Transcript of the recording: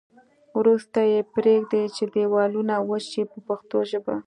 وروسته یې پرېږدي چې دېوالونه وچ شي په پښتو ژبه.